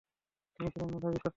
তিনি ছিলেন মেধাবী ছাত্র।